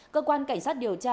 cơ quan cảnh sát điều tra